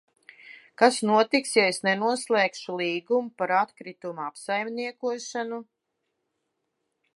Kas notiks, ja es nenoslēgšu līgumu par atkritumu apsaimniekošanu?